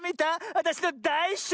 わたしのだいしょ